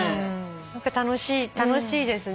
何か楽しいですね。